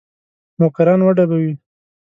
نوکران وډبوي.